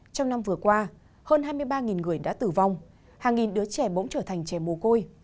trong năm vừa qua hơn hai mươi ba người đã tử vong hàng nghìn đứa trẻ bỗng trở thành trẻ mồ côi